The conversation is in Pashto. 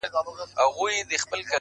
د زړه په هر درب كي مي ته اوســېږې;